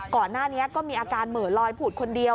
ก่อนหน้านี้ก็มีอาการเหมือนลอยผูดคนเดียว